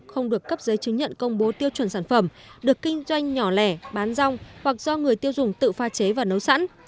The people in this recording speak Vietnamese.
không được cấp giấy chứng nhận công bố tiêu chuẩn sản phẩm được kinh doanh nhỏ lẻ bán rong hoặc do người tiêu dùng tự pha chế và nấu sẵn